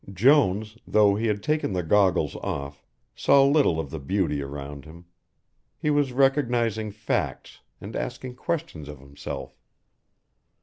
Jones, though he had taken the goggles off, saw little of the beauty around him. He was recognising facts, and asking questions of himself.